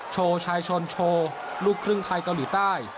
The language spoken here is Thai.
โชว์ชายโชว์ชนโชว์ลูกครึ่งไทยเกาหลีใต้